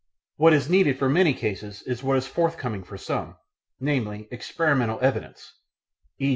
What is needed for many cases is what is forthcoming for some, namely, experimental evidence, e.